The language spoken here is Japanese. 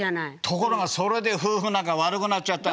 ところがそれで夫婦仲悪くなっちゃったんだ。